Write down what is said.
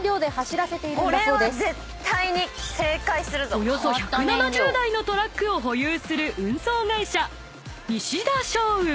［およそ１７０台のトラックを保有する運送会社］